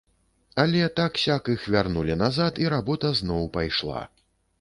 Але так-сяк іх вярнулі назад, і работа зноў пайшла.